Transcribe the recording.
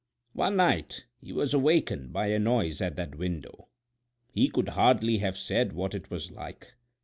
One night he was awakened by a noise at that window; he could hardly have said what it was like.